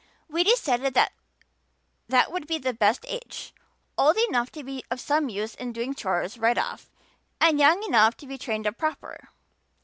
We decided that would be the best age old enough to be of some use in doing chores right off and young enough to be trained up proper.